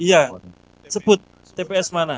iya sebut tps mana